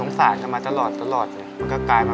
ก็กลายเป็นสำหรับมีด้วย